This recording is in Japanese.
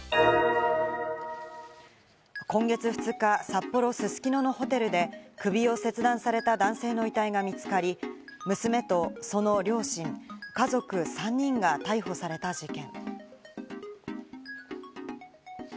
今月２日、札幌・すすきののホテルで首を切断された男性の遺体が見つかり、娘とその両親、家族３人が逮捕された事件。